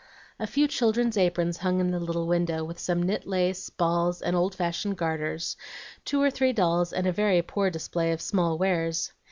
"A few children's aprons hung in the little window, with some knit lace, balls, and old fashioned garters, two or three dolls, and a very poor display of small wares.